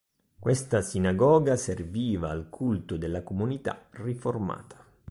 Questa sinagoga serviva al culto della comunità riformata.